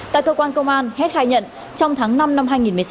tại cơ quan công an hét khai nhận trong tháng năm năm hai nghìn một mươi sáu